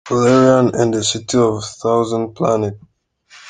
Valerian and the City of a Thousand Planet.